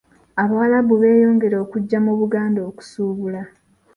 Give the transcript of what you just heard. Abawarabu beeyongera okujjanga mu Buganda, okusuubula.